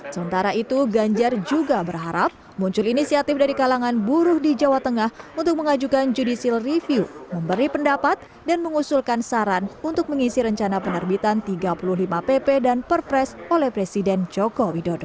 sementara itu ganjar juga berharap muncul inisiatif dari kalangan buruh di jawa tengah untuk mengajukan judicial review memberi pendapat dan mengusulkan saran untuk mengisi rencana penerbitan tiga puluh lima pp dan perpres oleh presiden joko widodo